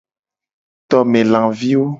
Tome laviwo.